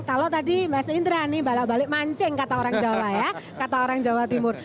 kalau tadi mbak seindrani balik balik mancing kata orang jawa timur